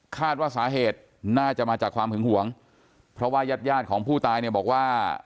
คาดว่าสาเหตุน่าจะมาจากความหึงหวงเพราะว่ายาดของผู้ตายเนี่ยบอกว่า